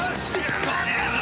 この野郎。